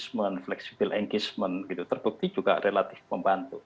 dengan fleksibil engagement gitu terbukti juga relatif membantu